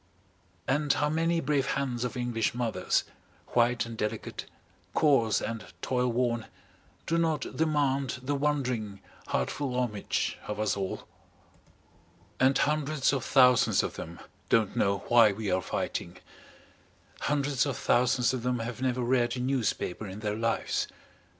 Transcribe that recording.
And how many brave hands of English mothers, white and delicate, coarse and toil worn, do not demand the wondering, heart full homage of us all? And hundreds of thousands of them don't know why we are fighting. Hundreds of thousands of them have never read a newspaper in their lives.